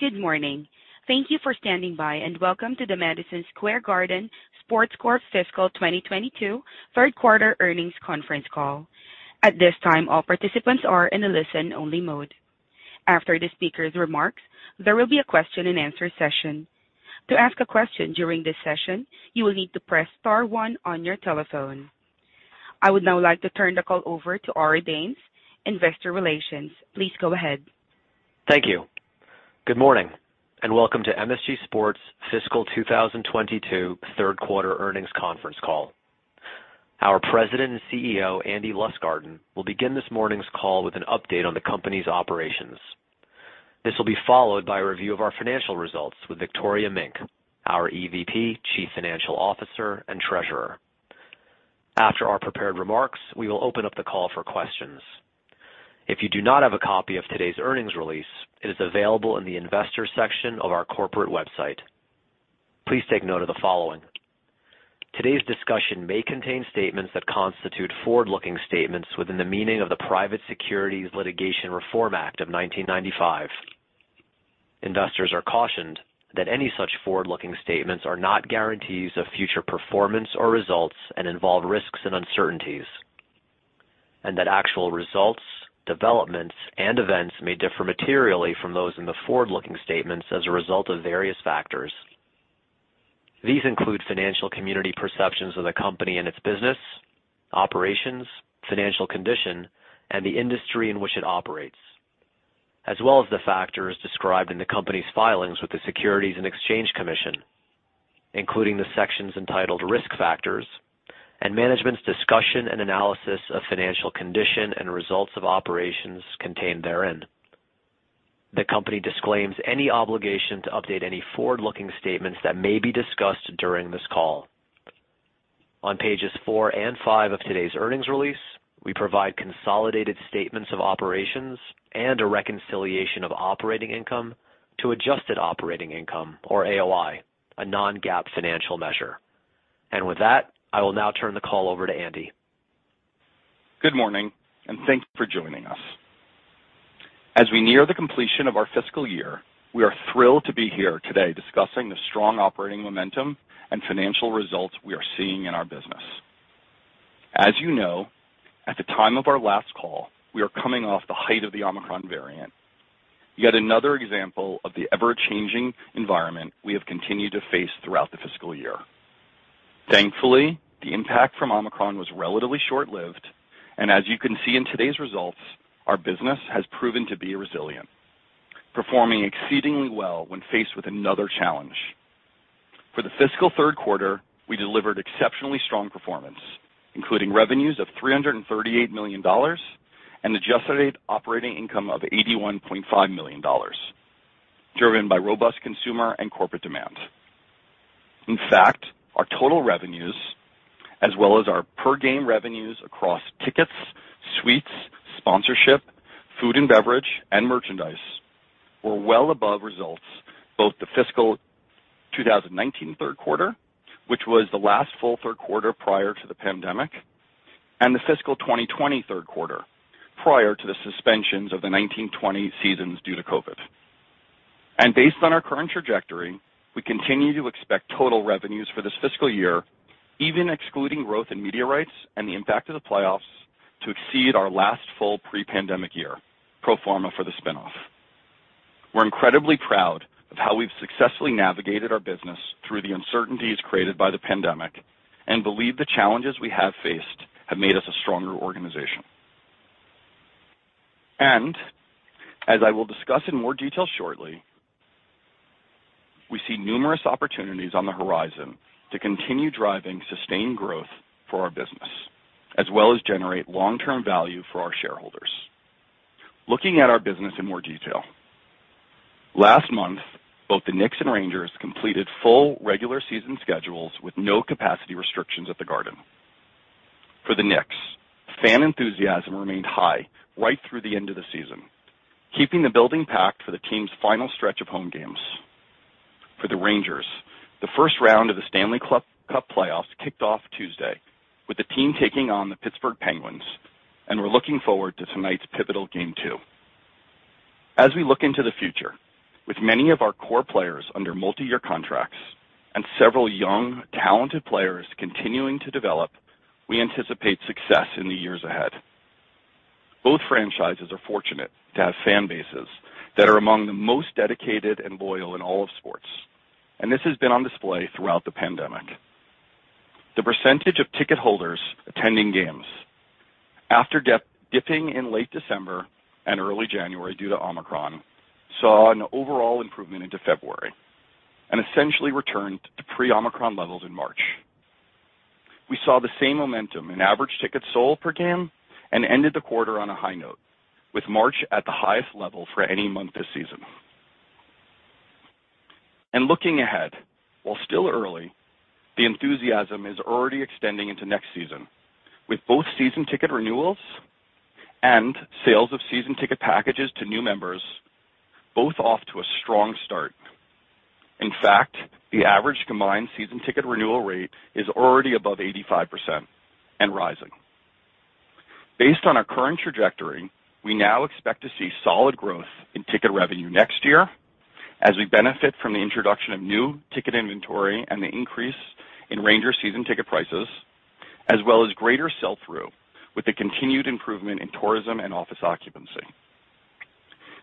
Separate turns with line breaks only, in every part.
Good morning. Thank you for standing by, and Welcome to the Madison Square Garden Sports Corp. Fiscal 2022 Third Quarter Earnings Conference Call. At this time, all participants are in a listen-only mode. After the speaker's remarks, there will be a question-and-answer session. To ask a question during this session, you will need to press star one on your telephone. I would now like to turn the call over to Ari Danes, Investor Relations. Please go ahead.
Thank you. Good morning, and Welcome to MSG Sports Fiscal 2022 Third Quarter Earnings Conference Call. Our President and CEO, Andy Lustgarten, will begin this morning's call with an update on the company's operations. This will be followed by a review of our financial results with Victoria Mink, our EVP, Chief Financial Officer, and Treasurer. After our prepared remarks, we will open up the call for questions. If you do not have a copy of today's earnings release, it is available in the investors section of our corporate website. Please take note of the following. Today's discussion may contain statements that constitute forward-looking statements within the meaning of the Private Securities Litigation Reform Act of 1995. Investors are cautioned that any such forward-looking statements are not guarantees of future performance or results and involve risks and uncertainties, and that actual results, developments, and events may differ materially from those in the forward-looking statements as a result of various factors. These include financial community perceptions of the company and its business, operations, financial condition, and the industry in which it operates, as well as the factors described in the company's filings with the Securities and Exchange Commission, including the sections entitled Risk Factors and Management's Discussion and Analysis of Financial Condition and Results of Operations contained therein. The company disclaims any obligation to update any forward-looking statements that may be discussed during this call. On pages four and five of today's earnings release, we provide consolidated statements of operations and a reconciliation of operating income to adjusted operating income or AOI, a non-GAAP financial measure. With that, I will now turn the call over to Andy.
Good morning, and thank you for joining us. As we near the completion of our fiscal year, we are thrilled to be here today discussing the strong operating momentum and financial results we are seeing in our business. As you know, at the time of our last call, we are coming off the height of the Omicron variant, yet another example of the ever-changing environment we have continued to face throughout the fiscal year. Thankfully, the impact from Omicron was relatively short-lived, and as you can see in today's results, our business has proven to be resilient, performing exceedingly well when faced with another challenge. For the fiscal third quarter, we delivered exceptionally strong performance, including revenues of $338 million and adjusted operating income of $81.5 million, driven by robust consumer and corporate demand. In fact, our total revenues, as well as our per game revenues across tickets, suites, sponsorship, food and beverage, and merchandise, were well above results both the fiscal 2019 third quarter, which was the last full third quarter prior to the pandemic, and the fiscal 2020 third quarter, prior to the suspensions of the 2019-20 seasons due to COVID. Based on our current trajectory, we continue to expect total revenues for this fiscal year, even excluding growth in media rights and the impact of the playoffs to exceed our last full pre-pandemic year, pro forma for the spin-off. We're incredibly proud of how we've successfully navigated our business through the uncertainties created by the pandemic and believe the challenges we have faced have made us a stronger organization. As I will discuss in more detail shortly, we see numerous opportunities on the horizon to continue driving sustained growth for our business, as well as generate long-term value for our shareholders. Looking at our business in more detail. Last month, both the Knicks and Rangers completed full regular season schedules with no capacity restrictions at The Garden. For the Knicks, fan enthusiasm remained high right through the end of the season, keeping the building packed for the team's final stretch of home games. For the Rangers, the first round of the Stanley Cup playoffs kicked off Tuesday, with the team taking on the Pittsburgh Penguins, and we're looking forward to tonight's pivotal game two. As we look into the future, with many of our core players under multi-year contracts and several young, talented players continuing to develop, we anticipate success in the years ahead. Both franchises are fortunate to have fan bases that are among the most dedicated and loyal in all of sports, and this has been on display throughout the pandemic. The percentage of ticket holders attending games, after dipping in late December and early January due to Omicron, saw an overall improvement into February and essentially returned to pre-Omicron levels in March. We saw the same momentum in average tickets sold per game and ended the quarter on a high note, with March at the highest level for any month this season. Looking ahead, while still early, the enthusiasm is already extending into next season, with both season ticket renewals and sales of season ticket packages to new members both off to a strong start. In fact, the average combined season ticket renewal rate is already above 85% and rising. Based on our current trajectory, we now expect to see solid growth in ticket revenue next year as we benefit from the introduction of new ticket inventory and the increase in Rangers season ticket prices, as well as greater sell-through with the continued improvement in tourism and office occupancy.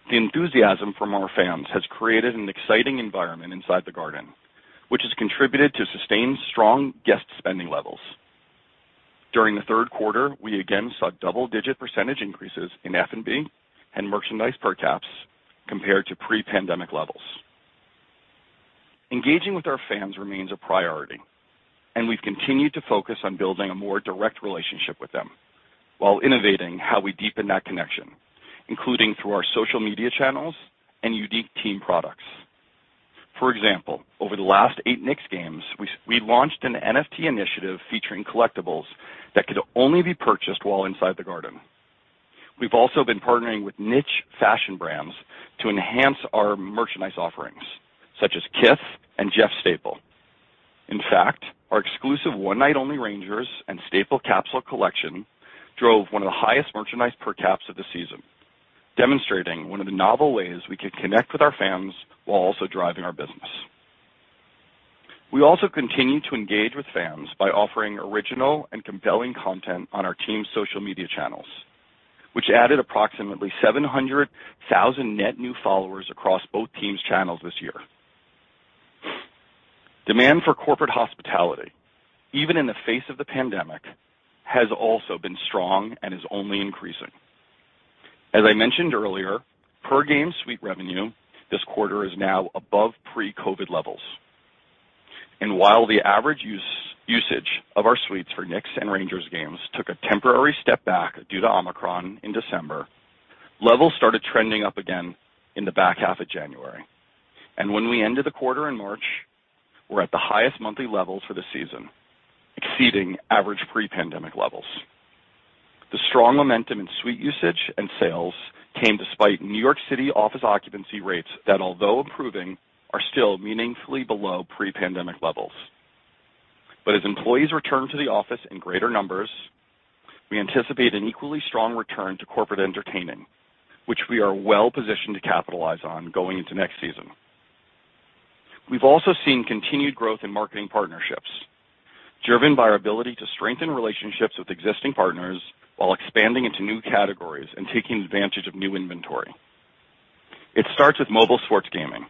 The enthusiasm from our fans has created an exciting environment inside The Garden, which has contributed to sustained strong guest spending levels. During the third quarter, we again saw double-digit % increases in F&B and merchandise per caps compared to pre-pandemic levels. Engaging with our fans remains a priority, and we've continued to focus on building a more direct relationship with them while innovating how we deepen that connection, including through our social media channels and unique team products. For example, over the last eight Knicks games, we launched an NFT initiative featuring collectibles that could only be purchased while inside The Garden. We've also been partnering with niche fashion brands to enhance our merchandise offerings, such as Kith and Jeff Staple. In fact, our exclusive one-night-only Rangers and Staple capsule collection drove one of the highest merchandise per caps of the season, demonstrating one of the novel ways we could connect with our fans while also driving our business. We also continue to engage with fans by offering original and compelling content on our team's social media channels, which added approximately 700,000 net new followers across both teams' channels this year. Demand for corporate hospitality, even in the face of the pandemic, has also been strong and is only increasing. As I mentioned earlier, per game suite revenue this quarter is now above pre-COVID levels. While the average usage of our suites for Knicks and Rangers games took a temporary step back due to Omicron in December, levels started trending up again in the back half of January. When we ended the quarter in March, we're at the highest monthly level for the season, exceeding average pre-pandemic levels. The strong momentum in suite usage and sales came despite New York City office occupancy rates that, although improving, are still meaningfully below pre-pandemic levels. As employees return to the office in greater numbers, we anticipate an equally strong return to corporate entertaining, which we are well positioned to capitalize on going into next season. We've also seen continued growth in marketing partnerships, driven by our ability to strengthen relationships with existing partners while expanding into new categories and taking advantage of new inventory. It starts with mobile sports gaming,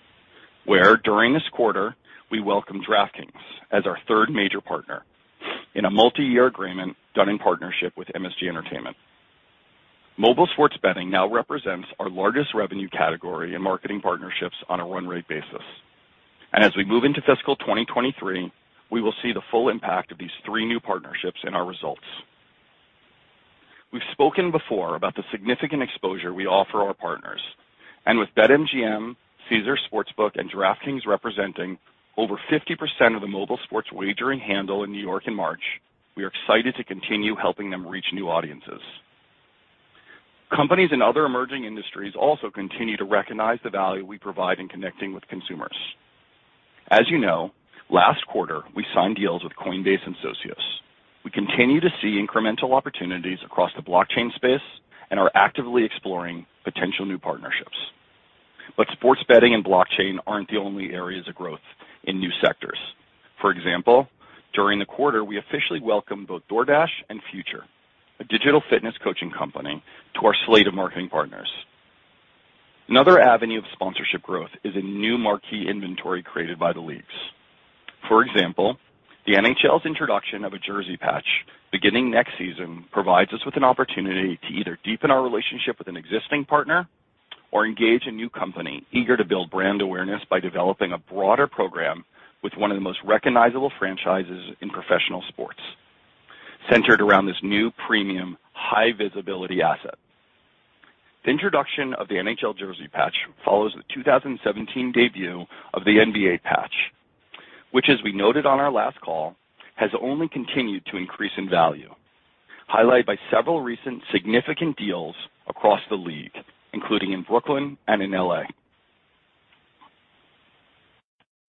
where during this quarter, we welcomed DraftKings as our third major partner in a multi-year agreement done in partnership with MSG Entertainment. Mobile sports betting now represents our largest revenue category in marketing partnerships on a run rate basis. As we move into fiscal 2023, we will see the full impact of these three new partnerships in our results. We've spoken before about the significant exposure we offer our partners, and with BetMGM, Caesars Sportsbook, and DraftKings representing over 50% of the mobile sports wagering handle in New York in March, we are excited to continue helping them reach new audiences. Companies in other emerging industries also continue to recognize the value we provide in connecting with consumers. As you know, last quarter we signed deals with Coinbase and Socios. We continue to see incremental opportunities across the blockchain space and are actively exploring potential new partnerships. Sports betting and blockchain aren't the only areas of growth in new sectors. For example, during the quarter, we officially welcomed both DoorDash and Future, a digital fitness coaching company, to our slate of marketing partners. Another avenue of sponsorship growth is in new marquee inventory created by the leagues. For example, the NHL's introduction of a jersey patch beginning next season provides us with an opportunity to either deepen our relationship with an existing partner or engage a new company eager to build brand awareness by developing a broader program with one of the most recognizable franchises in professional sports, centered around this new premium high-visibility asset. The introduction of the NHL jersey patch follows the 2017 debut of the NBA patch, which as we noted on our last call, has only continued to increase in value, highlighted by several recent significant deals across the league, including in Brooklyn and in L.A.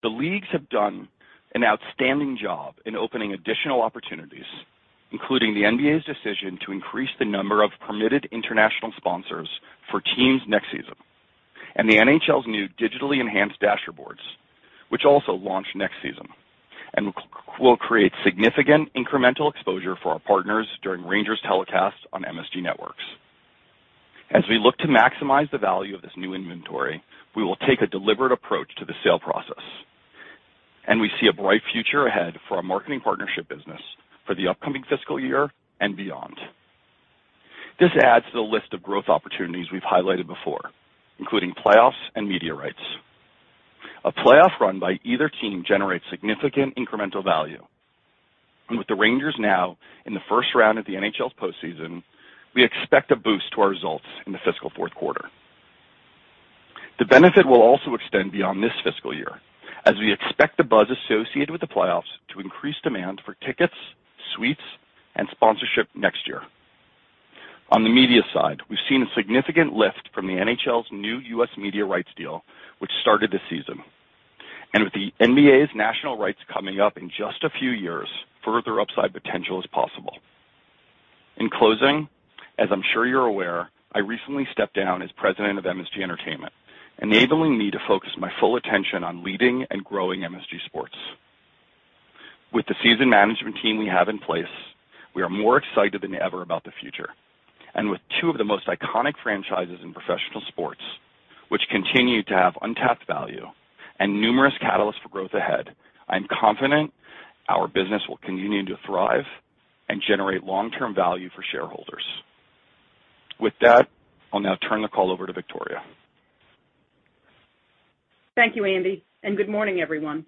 The leagues have done an outstanding job in opening additional opportunities, including the NBA's decision to increase the number of permitted international sponsors for teams next season, and the NHL's new digitally enhanced dasher boards, which also launch next season and will create significant incremental exposure for our partners during Rangers telecasts on MSG Networks. As we look to maximize the value of this new inventory, we will take a deliberate approach to the sale process, and we see a bright future ahead for our marketing partnership business for the upcoming fiscal year and beyond. This adds to the list of growth opportunities we've highlighted before, including playoffs and media rights. A playoff run by either team generates significant incremental value. With the Rangers now in the first round of the NHL's postseason, we expect a boost to our results in the fiscal fourth quarter. The benefit will also extend beyond this fiscal year, as we expect the buzz associated with the playoffs to increase demand for tickets, suites, and sponsorship next year. On the media side, we've seen a significant lift from the NHL's new U.S. media rights deal, which started this season. With the NBA's national rights coming up in just a few years, further upside potential is possible. In closing, as I'm sure you're aware, I recently stepped down as president of MSG Entertainment, enabling me to focus my full attention on leading and growing MSG Sports. With the seasoned management team we have in place, we are more excited than ever about the future. With two of the most iconic franchises in professional sports, which continue to have untapped value and numerous catalysts for growth ahead, I'm confident our business will continue to thrive and generate long-term value for shareholders. With that, I'll now turn the call over to Victoria.
Thank you, Andy, and good morning, everyone.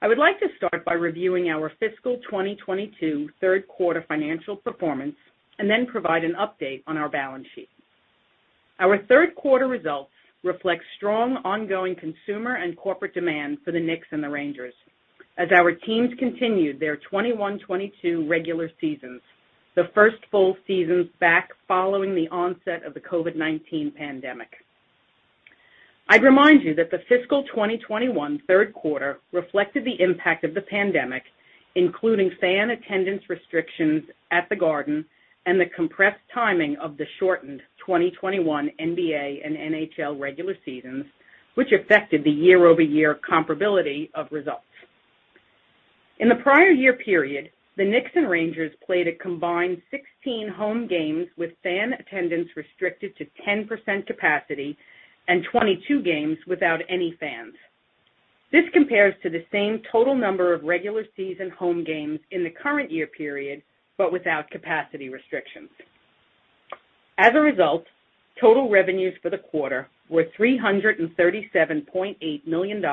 I would like to start by reviewing our fiscal 2022 third quarter financial performance and then provide an update on our balance sheet. Our third quarter results reflect strong ongoing consumer and corporate demand for the Knicks and the Rangers as our teams continued their 2021-22 regular seasons, the first full seasons back following the onset of the COVID-19 pandemic. I'd remind you that the fiscal 2021 third quarter reflected the impact of the pandemic, including fan attendance restrictions at The Garden and the compressed timing of the shortened 2021 NBA and NHL regular seasons, which affected the year-over-year comparability of results. In the prior year period, the Knicks and Rangers played a combined 16 home games with fan attendance restricted to 10% capacity and 22 games without any fans. This compares to the same total number of regular season home games in the current year period, but without capacity restrictions. As a result, total revenues for the quarter were $337.8 million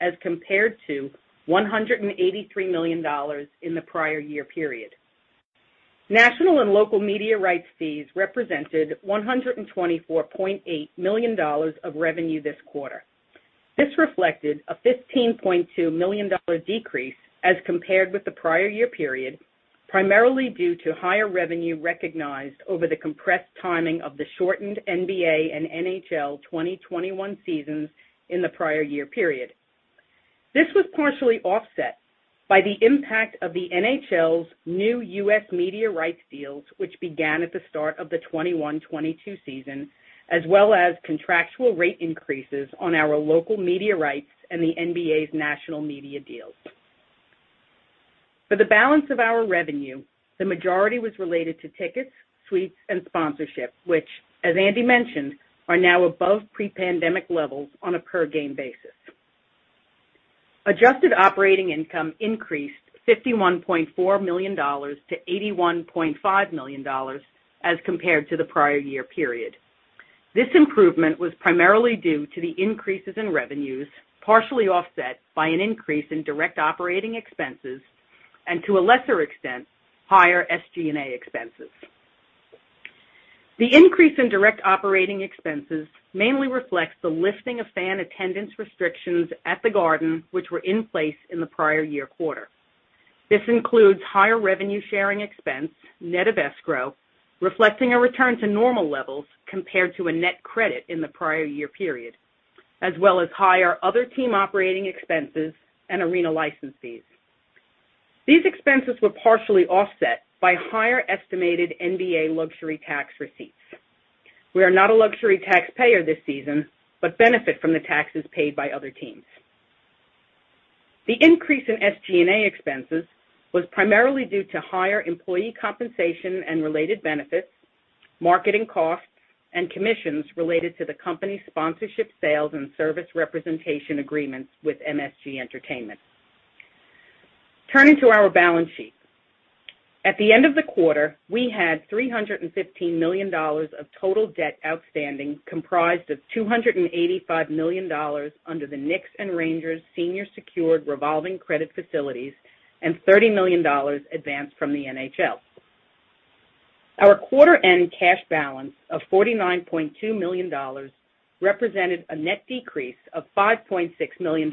as compared to $183 million in the prior year period. National and local media rights fees represented $124.8 million of revenue this quarter. This reflected a $15.2 million decrease as compared with the prior year period, primarily due to higher revenue recognized over the compressed timing of the shortened NBA and NHL 2021 seasons in the prior year period. This was partially offset by the impact of the NHL's new U.S. media rights deals, which began at the start of the 2021-22 season, as well as contractual rate increases on our local media rights and the NBA's national media deals. For the balance of our revenue, the majority was related to tickets, suites, and sponsorship, which, as Andy mentioned, are now above pre-pandemic levels on a per game basis. Adjusted operating income increased $51.4 million-$81.5 million as compared to the prior year period. This improvement was primarily due to the increases in revenues, partially offset by an increase in direct operating expenses and to a lesser extent, higher SG&A expenses. The increase in direct operating expenses mainly reflects the lifting of fan attendance restrictions at The Garden, which were in place in the prior year quarter. This includes higher revenue sharing expense, net of escrow, reflecting a return to normal levels compared to a net credit in the prior year period, as well as higher other team operating expenses and arena license fees. These expenses were partially offset by higher estimated NBA luxury tax receipts. We are not a luxury taxpayer this season, but benefit from the taxes paid by other teams. The increase in SG&A expenses was primarily due to higher employee compensation and related benefits, marketing costs, and commissions related to the company's sponsorship sales and service representation agreements with MSG Entertainment. Turning to our balance sheet. At the end of the quarter, we had $315 million of total debt outstanding, comprised of $285 million under the Knicks and Rangers senior secured revolving credit facilities and $30 million advanced from the NHL. Our quarter end cash balance of $49.2 million represented a net decrease of $5.6 million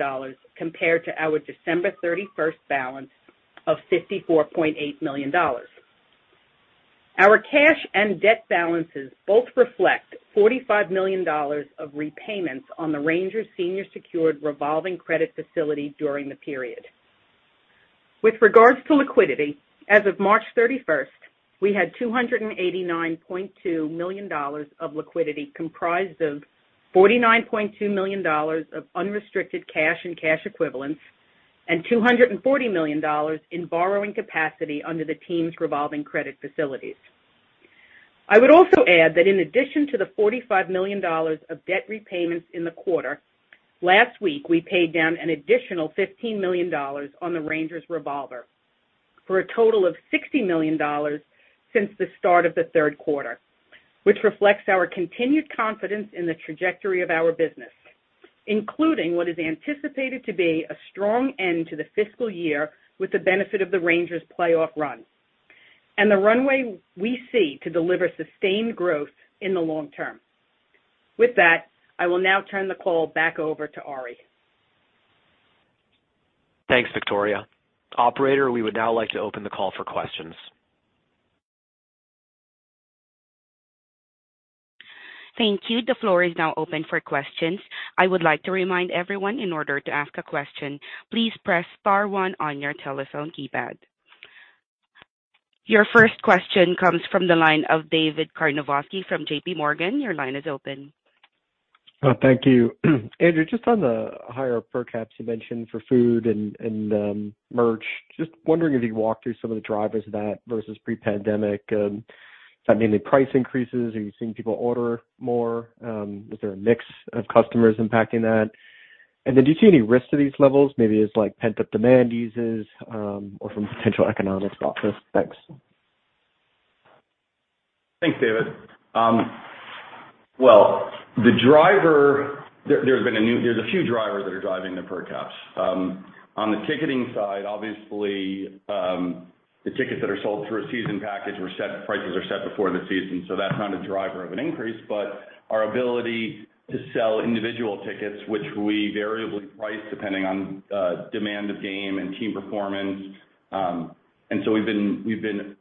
compared to our December 31 balance of $54.8 million. Our cash and debt balances both reflect $45 million of repayments on the Rangers senior secured revolving credit facility during the period. With regards to liquidity, as of March 31, we had $289.2 million of liquidity, comprised of $49.2 million of unrestricted cash and cash equivalents and $240 million in borrowing capacity under the team's revolving credit facilities. I would also add that in addition to the $45 million of debt repayments in the quarter, last week, we paid down an additional $15 million on the Rangers revolver for a total of $60 million since the start of the third quarter, which reflects our continued confidence in the trajectory of our business, including what is anticipated to be a strong end to the fiscal year with the benefit of the Rangers playoff run and the runway we see to deliver sustained growth in the long term. With that, I will now turn the call back over to Ari.
Thanks, Victoria. Operator, we would now like to open the call for questions.
Thank you. The floor is now open for questions. I would like to remind everyone in order to ask a question, please press star one on your telephone keypad. Your first question comes from the line of David Karnovsky from JPMorgan. Your line is open.
Thank you. Andrew, just on the higher per caps you mentioned for food and merch. Just wondering if you could walk through some of the drivers of that vs pre-pandemic. I mean the price increases. Are you seeing people order more? Is there a mix of customers impacting that? Then do you see any risk to these levels? Maybe it's like pent-up demand issues or from potential economic softness. Thanks.
Thanks, David. There are a few drivers that are driving the per caps. On the ticketing side, obviously, the tickets that are sold through a season package were set, prices are set before the season, so that's not a driver of an increase. Our ability to sell individual tickets, which we variably price depending on demand of game and team performance. We've been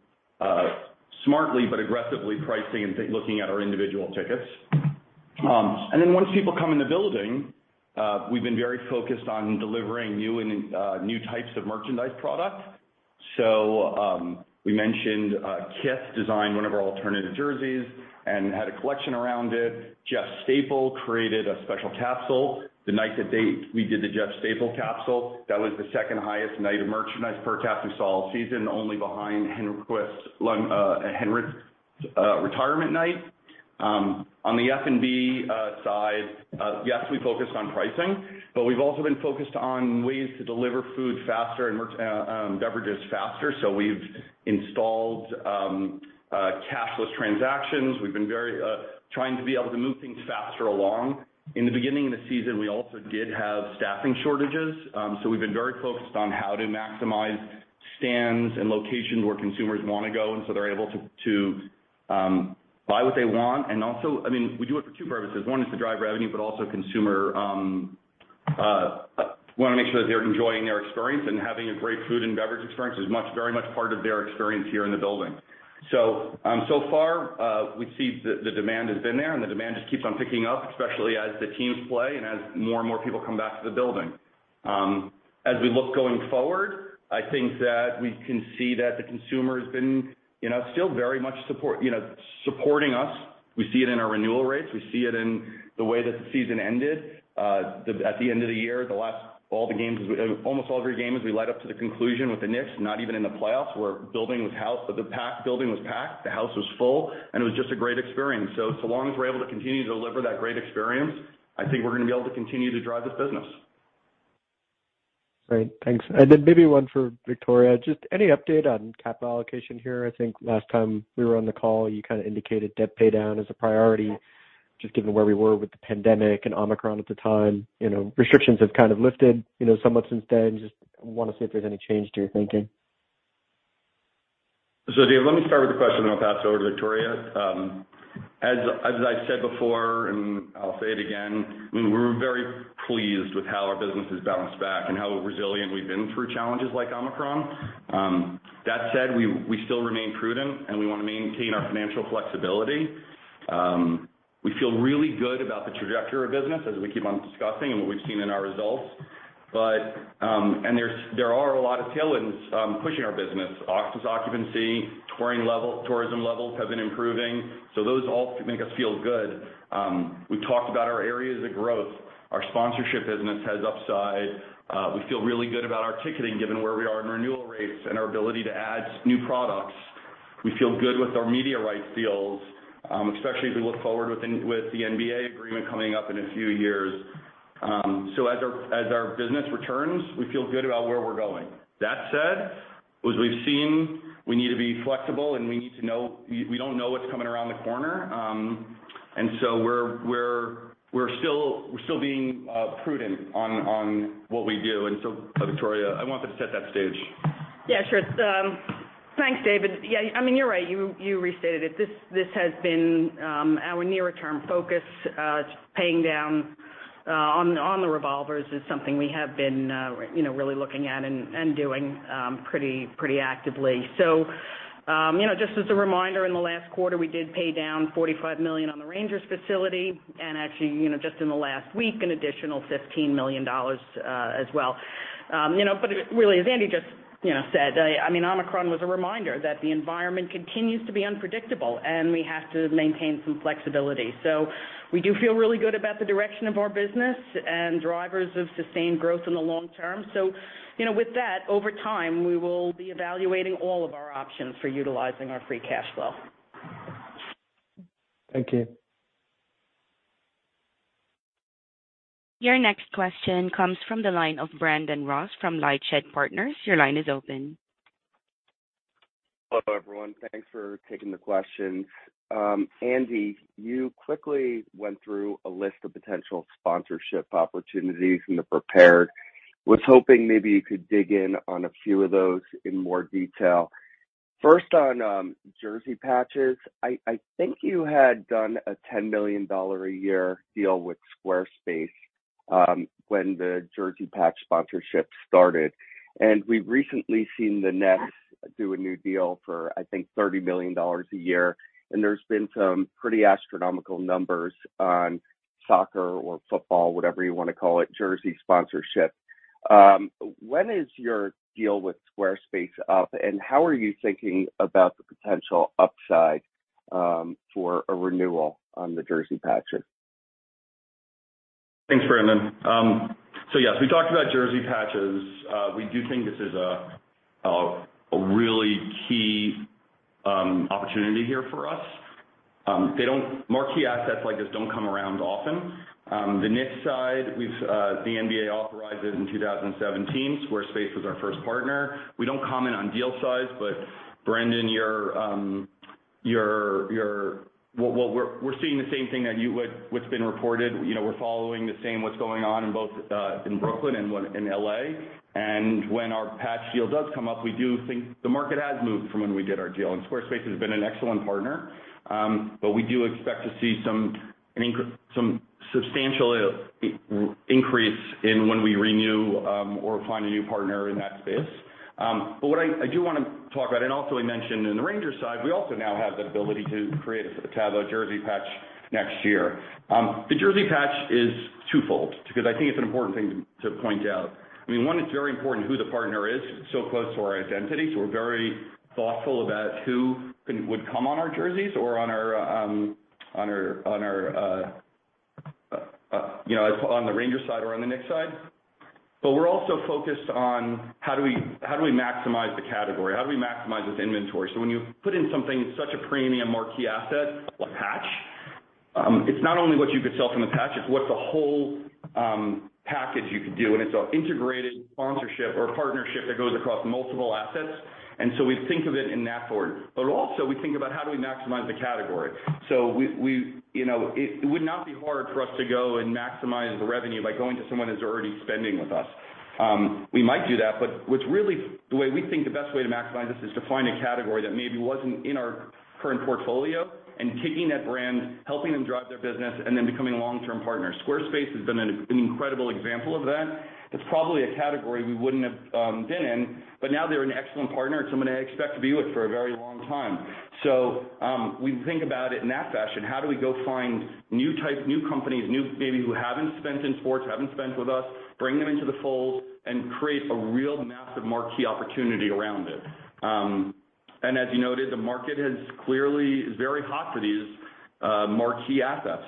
smartly but aggressively pricing and looking at our individual tickets. Once people come in the building, we've been very focused on delivering new types of merchandise products. We mentioned Kith designed one of our alternative jerseys and had a collection around it. Jeff Staple created a special capsule. The night we did the Jeff Staple capsule, that was the second highest night of merchandise per cap we saw all season only behind Henrik Lundqvist's retirement night. On the F&B side, yes, we focused on pricing, but we've also been focused on ways to deliver food faster and merch beverages faster. We've installed cashless transactions. We've been very trying to be able to move things faster along. In the beginning of the season, we also did have staffing shortages, so we've been very focused on how to maximize stands and locations where consumers wanna go, and so they're able to buy what they want. Also, I mean, we do it for two purposes. One is to drive revenue, but also consumer, wanna make sure that they're enjoying their experience and having a great food and beverage experience is very much part of their experience here in the building. So far, we see the demand has been there, and the demand just keeps on picking up, especially as the teams play and as more and more people come back to the building. As we look going forward, I think that we can see that the consumer has been, you know, still very much supportive, you know, supporting us. We see it in our renewal rates. We see it in the way that the season ended. At the end of the year, all the games, almost every game as we led up to the conclusion with the Knicks not even in the playoffs, the building was packed, the house was full, and it was just a great experience. Long as we're able to continue to deliver that great experience, I think we're gonna be able to continue to drive this business.
Great. Thanks. Maybe one for Victoria. Just any update on capital allocation here. I think last time we were on the call, you kind of indicated debt paydown as a priority, just given where we were with the pandemic and Omicron at the time. You know, restrictions have kind of lifted, you know, somewhat since then. Just want to see if there's any change to your thinking.
David, let me start with the question, then I'll pass it over to Victoria. As I said before, and I'll say it again, we're very pleased with how our business has bounced back and how resilient we've been through challenges like Omicron. That said, we still remain prudent, and we want to maintain our financial flexibility. We feel really good about the trajectory of business as we keep on discussing and what we've seen in our results. There are a lot of tailwinds pushing our business. Office occupancy, touring level, tourism levels have been improving. Those all make us feel good. We talked about our areas of growth. Our sponsorship business has upside. We feel really good about our ticketing given where we are in renewal rates and our ability to add new products. We feel good with our media rights deals, especially as we look forward with the NBA agreement coming up in a few years. As our business returns, we feel good about where we're going. That said, as we've seen, we need to be flexible, and we need to know we don't know what's coming around the corner. We're still being prudent on what we do. Victoria, I wanted to set that stage.
Yeah, sure. Thanks, David. Yeah, I mean, you're right. You restated it. This has been our near-term focus, paying down on the revolvers is something we have been, you know, really looking at and doing pretty actively. You know, just as a reminder, in the last quarter, we did pay down $45 million on the Rangers facility and actually, you know, just in the last week, an additional $15 million as well. You know, but really as Andy just, you know, said, I mean, Omicron was a reminder that the environment continues to be unpredictable, and we have to maintain some flexibility. We do feel really good about the direction of our business and drivers of sustained growth in the long term. You know, with that, over time, we will be evaluating all of our options for utilizing our free cash flow.
Thank you.
Your next question comes from the line of Brandon Ross from LightShed Partners. Your line is open.
Hello, everyone. Thanks for taking the questions. Andy, you quickly went through a list of potential sponsorship opportunities in the prepared. Was hoping maybe you could dig in on a few of those in more detail. First, on jersey patches, I think you had done a $10 million a year deal with Squarespace when the jersey patch sponsorship started. We've recently seen the Nets do a new deal for, I think, $30 million a year, and there's been some pretty astronomical numbers on soccer or football, whatever you wanna call it, jersey sponsorship. When is your deal with Squarespace up, and how are you thinking about the potential upside for a renewal on the jersey patches?
Thanks, Brandon. Yes, we talked about jersey patches. We do think this is a really key opportunity here for us. Marquee assets like this don't come around often. On the Knicks side, the NBA authorized it in 2017. Squarespace was our first partner. We don't comment on deal size, but Brandon, we're seeing the same thing that you would what's been reported. You know, we're following the same as what's going on in both in Brooklyn and one in L.A. When our patch deal does come up, we do think the market has moved from when we did our deal, and Squarespace has been an excellent partner. We expect to see some substantial increase when we renew or find a new partner in that space. What I do wanna talk about, and also we mentioned on the Rangers side, we also now have the ability to create a logo jersey patch next year. The jersey patch is twofold because I think it's an important thing to point out. I mean, one, it's very important who the partner is. It's so close to our identity, so we're very thoughtful about who would come on our jerseys or on our, you know, on the Rangers side or on the Knicks side. We're also focused on how do we maximize the category. How do we maximize this inventory? When you put in something, such a premium marquee asset, a patch, it's not only what you could sell from the patch, it's what the whole package you could do, and it's an integrated sponsorship or partnership that goes across multiple assets. We think of it in that forward. Also we think about how do we maximize the category. We you know, it would not be hard for us to go and maximize the revenue by going to someone who's already spending with us. We might do that, but what's really the way we think the best way to maximize this is to find a category that maybe wasn't in our current portfolio, and taking that brand, helping them drive their business, and then becoming a long-term partner. Squarespace has been an incredible example of that. It's probably a category we wouldn't have been in, but now they're an excellent partner and someone I expect to be with for a very long time. We think about it in that fashion. How do we go find new type, new companies, maybe who haven't spent in sports, who haven't spent with us, bring them into the fold and create a real massive marquee opportunity around it. As you noted, the market clearly is very hot for these marquee assets.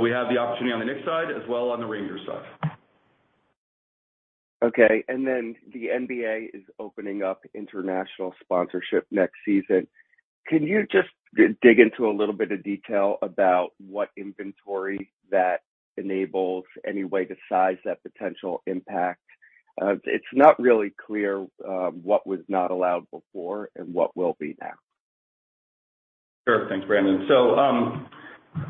We have the opportunity on the Knicks side as well on the Rangers side.
Okay. The NBA is opening up international sponsorship next season. Can you just dig into a little bit of detail about what inventory that enables, any way to size that potential impact? It's not really clear what was not allowed before and what will be now.
Sure. Thanks, Brandon.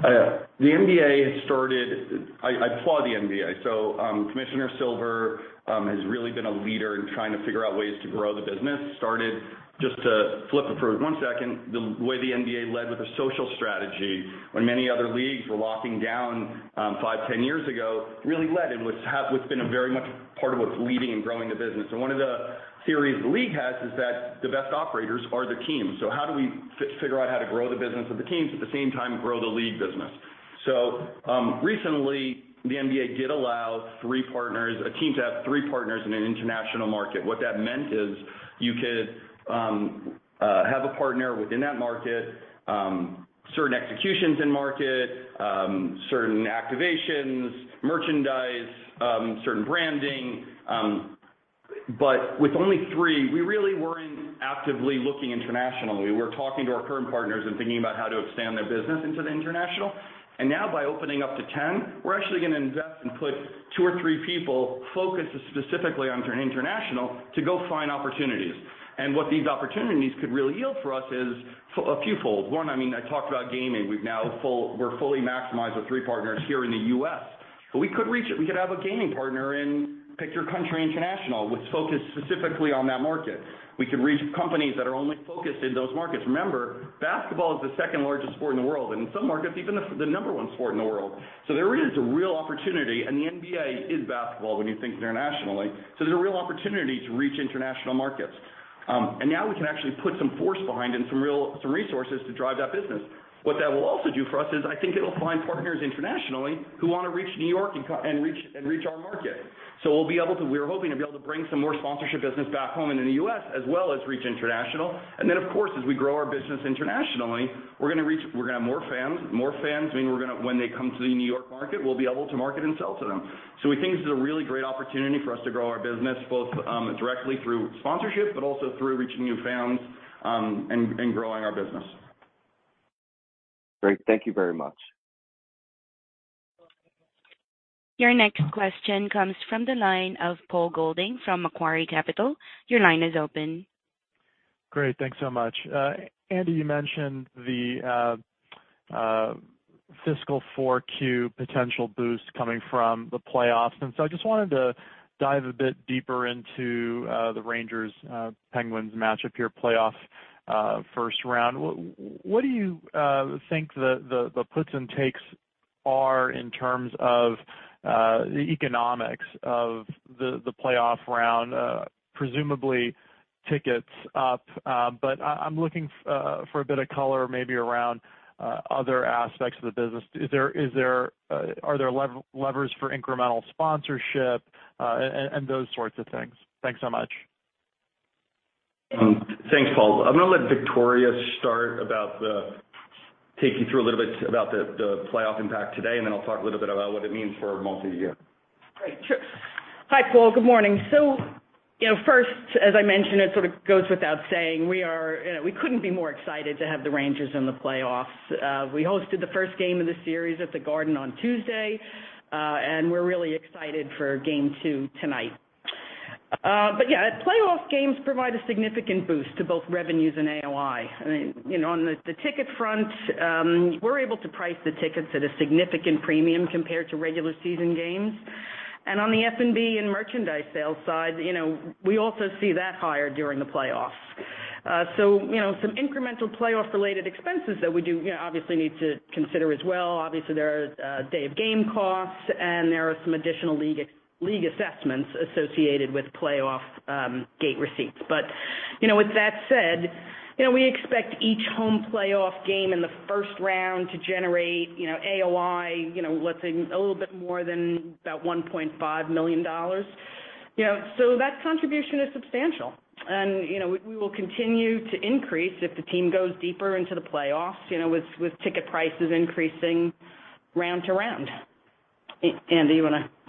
The NBA has started. I applaud the NBA. Adam Silver has really been a leader in trying to figure out ways to grow the business. Started just to flip it for one second, the way the NBA led with a social strategy, when many other leagues were locking down, five, 10 years ago, really led and was what's been a very much part of what's leading and growing the business. One of the theories the league has is that the best operators are the teams. How do we figure out how to grow the business of the teams, at the same time, grow the league business? Recently, the NBA did allow three partners, a team to have three partners in an international market. What that meant is you could have a partner within that market, certain executions in market, certain activations, merchandise, certain branding, but with only three, we really weren't actively looking internationally. We're talking to our current partners and thinking about how to expand their business into the international. Now by opening up to 10, we're actually gonna invest and put two or three people focused specifically on international to go find opportunities. What these opportunities could really yield for us is a few fold. One, I mean, I talked about gaming. We're fully maximized with three partners here in the U.S. We could reach it. We could have a gaming partner in, pick your country, international, which focus specifically on that market. We can reach companies that are only focused in those markets. Remember, basketball is the second largest sport in the world, and in some markets, even the number one sport in the world. There is a real opportunity, and the NBA is basketball when you think internationally. There's a real opportunity to reach international markets. Now we can actually put some focus behind and some real resources to drive that business. What that will also do for us is, I think it'll find partners internationally who wanna reach New York and reach our market. We'll be able to. We're hoping to be able to bring some more sponsorship business back home and in the U.S., as well as reach international. Then, of course, as we grow our business internationally, we're gonna reach. We're gonna have more fans, meaning we're gonna. When they come to the New York market, we'll be able to market and sell to them. We think this is a really great opportunity for us to grow our business, both directly through sponsorship, but also through reaching new fans, and growing our business.
Great. Thank you very much.
Your next question comes from the line of Paul Golding from Macquarie Capital. Your line is open.
Great. Thanks so much. Andy, you mentioned the fiscal 4Q potential boost coming from the playoffs. I just wanted to dive a bit deeper into the Rangers-Penguins matchup here, playoff first round. What do you think the puts and takes are in terms of the economics of the playoff round, presumably tickets up. I'm looking for a bit of color maybe around other aspects of the business. Are there levers for incremental sponsorship and those sorts of things? Thanks so much.
Thanks, Paul. I'm gonna let Victoria start to take you through a little bit about the playoff impact today, and then I'll talk a little bit about what it means for multi-year.
Great. Sure. Hi, Paul. Good morning. You know, first, as I mentioned, it sort of goes without saying. You know, we couldn't be more excited to have the Rangers in the playoffs. We hosted the first game of the series at the Garden on Tuesday, and we're really excited for game two tonight. Playoff games provide a significant boost to both revenues and AOI. I mean, you know, on the ticket front, we're able to price the tickets at a significant premium compared to regular season games. On the F&B and merchandise sales side, you know, we also see that higher during the playoffs. You know, some incremental playoff related expenses that we do, obviously need to consider as well. Obviously, there are day of game costs, and there are some additional league assessments associated with playoff gate receipts. With that said, you know, we expect each home playoff game in the first round to generate, you know, AOI, you know, let's say a little bit more than about $1.5 million. You know, so that contribution is substantial. You know, we will continue to increase if the team goes deeper into the playoffs, you know, with ticket prices increasing round to round. Andy, you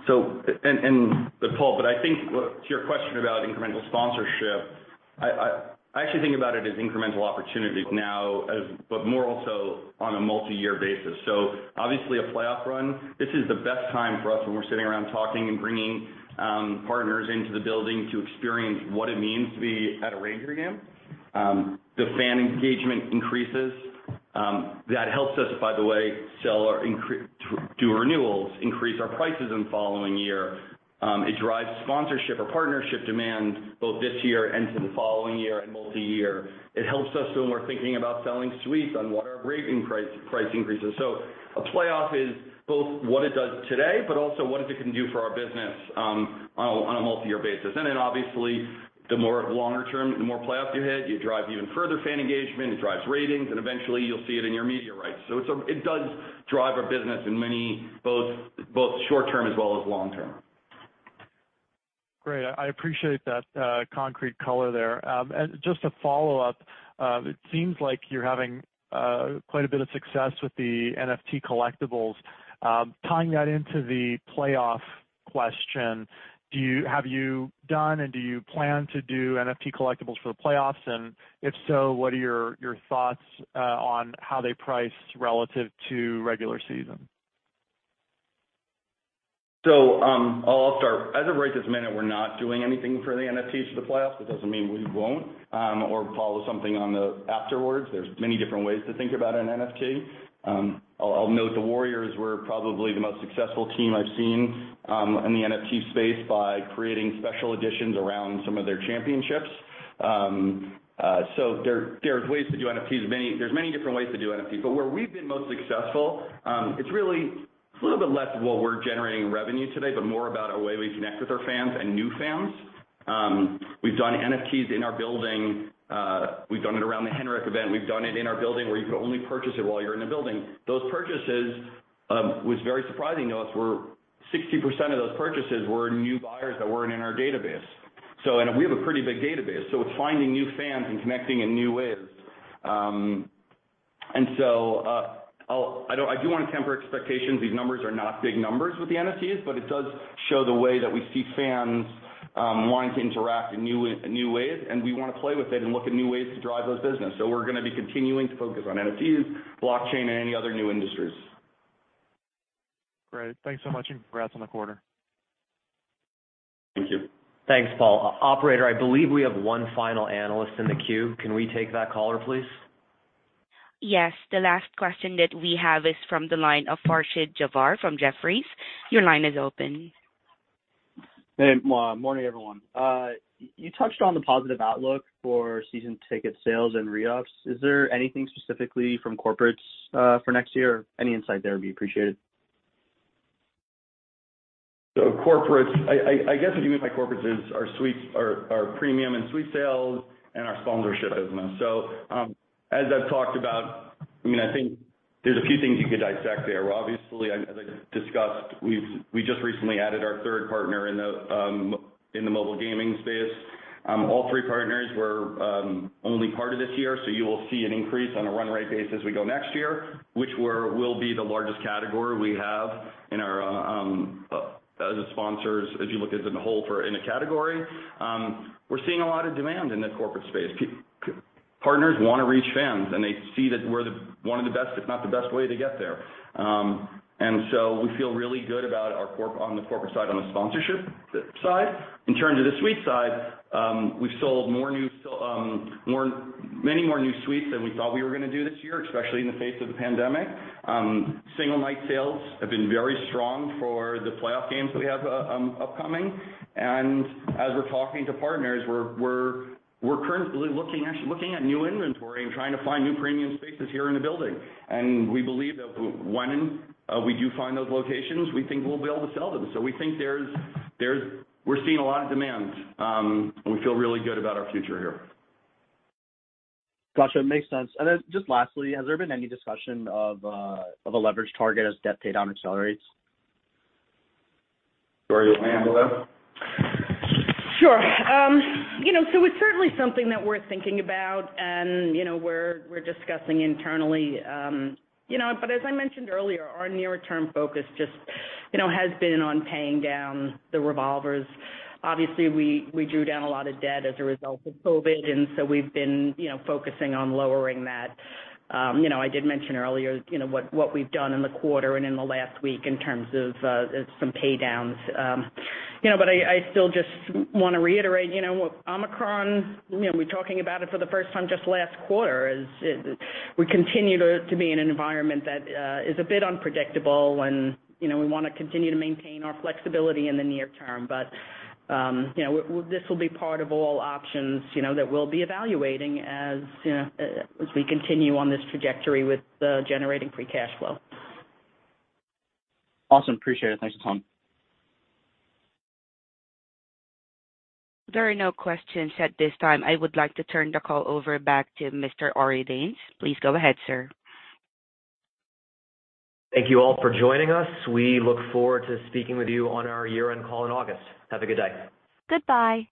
wanna-
Paul, but I think to your question about incremental sponsorship, I actually think about it as incremental opportunities, but more also on a multi-year basis. Obviously a playoff run, this is the best time for us when we're sitting around talking and bringing partners into the building to experience what it means to be at a Rangers game. The fan engagement increases. That helps us, by the way, sell or to do renewals, increase our prices in following year. It drives sponsorship or partnership demand both this year and to the following year and multi-year. It helps us when we're thinking about selling suites on what our rating price increases. A playoff is both what it does today, but also what it can do for our business on a multi-year basis. Obviously the more longer term, the more playoffs you hit, you drive even further fan engagement, it drives ratings, and eventually you'll see it in your media rights. It does drive our business in many both short term as well as long term.
Great. I appreciate that color there. Just to follow up, it seems like you're having quite a bit of success with the NFT collectibles. Tying that into the playoff question, have you done and do you plan to do NFT collectibles for the playoffs? If so, what are your thoughts on how they price relative to regular season?
I'll start. As of right this minute, we're not doing anything for the NFTs for the playoffs. It doesn't mean we won't, or follow something on the afterwards. There are many different ways to think about an NFT. I'll note the Warriors were probably the most successful team I've seen, in the NFT space by creating special editions around some of their championships. There are ways to do NFTs. There are many different ways to do NFT. But where we've been most successful, it's really a little bit less of what we're generating revenue today, but more about a way we connect with our fans and new fans. We've done NFTs in our building. We've done it around the Henrik event. We've done it in our building where you could only purchase it while you're in the building. Those purchases was very surprising to us. 60% of those purchases were new buyers that weren't in our database. We have a pretty big database, so it's finding new fans and connecting in new ways. I do want to temper expectations. These numbers are not big numbers with the NFTs, but it does show the way that we see fans wanting to interact in new ways, and we wanna play with it and look at new ways to drive those business. We're gonna be continuing to focus on NFTs, blockchain, and any other new industries.
Great. Thanks so much, and congrats on the quarter.
Thank you.
Thanks, Paul. Operator, I believe we have one final analyst in the queue. Can we take that caller, please?
Yes. The last question that we have is from the line of Farshad Jabbari from Jefferies. Your line is open.
Hey, morning, everyone. You touched on the positive outlook for season ticket sales and re-ups. Is there anything specifically from corporates for next year? Any insight there would be appreciated.
Corporates. I guess what you mean by corporates is our suites, our premium and suite sales and our sponsorship business. As I've talked about, I mean, I think there's a few things you could dissect there. Obviously, as I discussed, we just recently added our third partner in the mobile gaming space. All three partners were only part of this year, so you will see an increase on a run rate basis as we go next year, which will be the largest category we have in our as sponsors, as you look at it as a whole for the category. We're seeing a lot of demand in the corporate space. Partners wanna reach fans, and they see that we're the one of the best, if not the best way to get there. We feel really good about our corporate side, on the sponsorship side. In terms of the suite side, we've sold many more new suites than we thought we were gonna do this year, especially in the face of the pandemic. Single night sales have been very strong for the playoff games we have upcoming. As we're talking to partners, we're currently looking, actually looking at new inventory and trying to find new premium spaces here in the building. We believe that once we do find those locations, we think we'll be able to sell them. We're seeing a lot of demand, and we feel really good about our future here.
Gotcha. Makes sense. Just lastly, has there been any discussion of a leverage target as debt pay down accelerates?
Victoria, you wanna handle that?
Sure. You know, it's certainly something that we're thinking about and, you know, we're discussing internally. You know, as I mentioned earlier, our near-term focus just, you know, has been on paying down the revolvers. Obviously, we drew down a lot of debt as a result of COVID, and so we've been, you know, focusing on lowering that. You know, I did mention earlier, you know, what we've done in the quarter and in the last week in terms of some pay downs. You know, I still just want to reiterate, you know, Omicron, you know, we're talking about it for the first time just last quarter. We continue to be in an environment that is a bit unpredictable and, you know, we wanna continue to maintain our flexibility in the near term. This will be part of all options, you know, that we'll be evaluating as we continue on this trajectory with generating free cash flow.
Awesome. Appreciate it. Thanks a ton.
There are no questions at this time. I would like to turn the call over back to Mr. Ari Danes. Please go ahead, sir.
Thank you all for joining us. We look forward to speaking with you on our year-end call in August. Have a good day.
Goodbye.